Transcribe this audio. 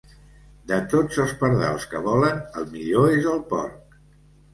De tots els pardals que volen, el millor és el porc.